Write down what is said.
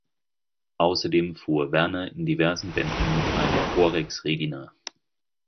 Außerdem fuhr "Werner" in diversen Bänden eine Horex "Regina".